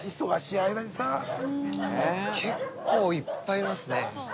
結構いっぱいいますね。